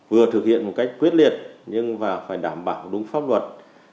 vừa thực hiện một cách quyết liệt nhưng và phải đảm bảo đúng pháp luật